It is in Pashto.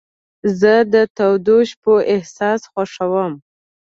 زه د تودو شپو احساس خوښوم.